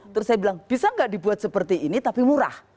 terus saya bilang bisa nggak dibuat seperti ini tapi murah